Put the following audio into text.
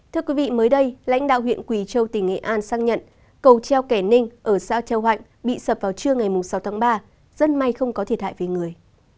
thưa quý vị mới đây lãnh đạo huyện quỳ châu tỉnh nghệ an xác nhận cầu treo kẻ ninh ở xã treo hoạnh bị sập vào trưa ngày sáu tháng ba dân may không có thiệt hại với người